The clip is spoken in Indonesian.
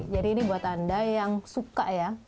jadi ini buat anda yang suka ya